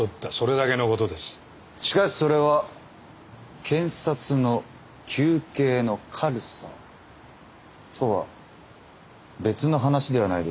しかしそれは検察の求刑の軽さとは別の話ではないでしょうか。